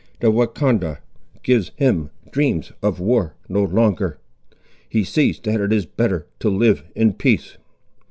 The Wahcondah gives him dreams of war no longer; he sees that it is better to live in peace.